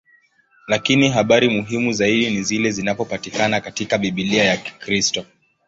Lakini habari muhimu zaidi ni zile zinazopatikana katika Biblia ya Kikristo.